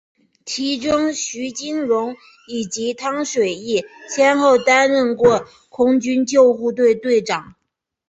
其中徐金蓉以及汤水易先后担任过空军救护队队长。